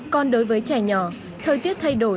còn đối với trẻ nhỏ thời tiết thay đổi